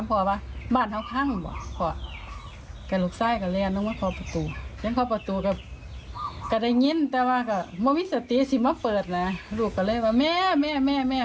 พ่าลูกก็เลยแบบว่าแม่แม่แม่